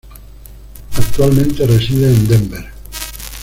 Actualmente reside en Denver.